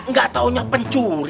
gak taunya pencuri